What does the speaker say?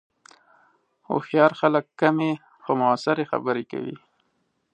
هوښیار خلک کمې، خو مؤثرې خبرې کوي